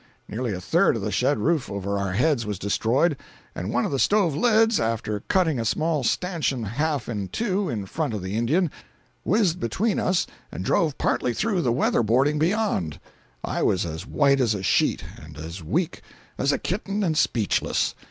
Nearly a third of the shed roof over our heads was destroyed, and one of the stove lids, after cutting a small stanchion half in two in front of the Indian, whizzed between us and drove partly through the weather boarding beyond. I was as white as a sheet and as weak as a kitten and speechless.